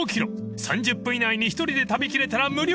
［３０分以内に１人で食べ切れたら無料］